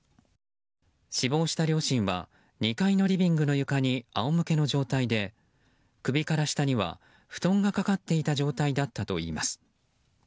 死亡した両親は２階のリビングの床に仰向けの状態で首から下には布団がかかっていた状態だったといいます。